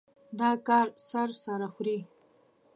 دا کار سر سره خوري.